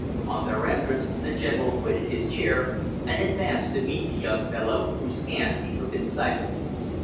On their entrance the general quitted his chair and advanced to meet the young fellow, whose hand he took in silence.